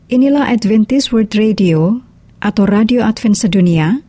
inilah adventist world radio atau radio advent sedunia